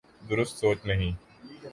درست سوچ نہیں۔